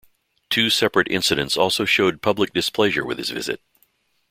Two separate incidents also showed public displeasure with his visit.